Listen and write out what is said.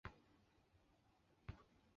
建安十九年为曹操击败。